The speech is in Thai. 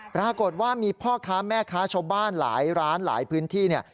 ปรากฏว่ามีพ่อค้าแม่ค้าชาวบ้านหลายร้านหลายพื้นที่เนี่ย